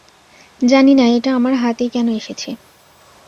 জানি না এটা আমার হাতেই কেন এসেছে।